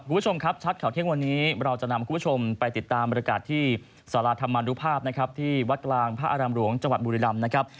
คุณผู้ชมครับชัดข่าวเที่ยงวันนี้เราจะนำคุณผู้ชมไปติดตามบรรยากาศที่สาราธรรมนุภาพนะครับที่วัดกลางพระอารามหลวงจังหวัดบุรีรำนะครับ